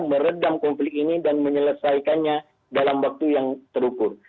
meredam konflik ini dan menyelesaikannya dalam waktu yang terukur